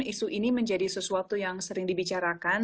isu ini menjadi sesuatu yang sering dibicarakan